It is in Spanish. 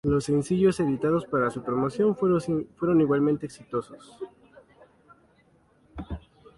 Los sencillos editados para su promoción fueron igualmente exitosos.